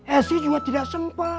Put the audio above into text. eh sih juga tidak sempat